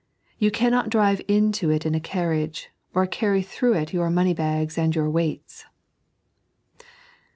You cannot drive into it in a carriage, or carry through it your money bags and your weights.